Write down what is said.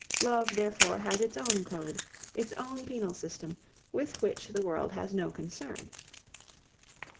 Love, therefore, has its own code, its own penal system, with which the world has no concern.